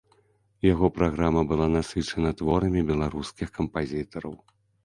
Яго праграма была насычана творамі беларускіх кампазітараў.